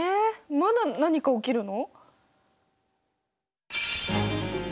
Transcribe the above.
まだ何か起きるの？